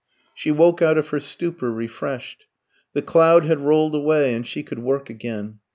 She woke out of her stupor refreshed. The cloud had rolled away, and she could work again.